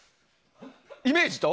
イメージと？